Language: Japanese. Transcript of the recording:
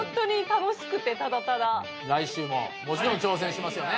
来週ももちろん挑戦しますよね？